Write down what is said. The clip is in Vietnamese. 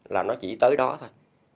là nó chỉ tới đó thôi